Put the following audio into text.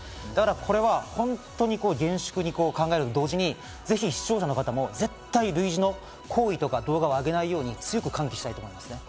これは本当に厳粛に考えるのと同時に、視聴者の方も絶対に類似の行為とか動画を上げないように強く喚起したいと思います。